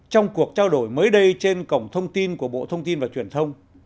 trong cuộc trao đổi mới đây trên cổng thông tin của bộ thông tin và truyền thông